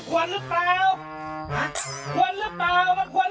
ควรอยู่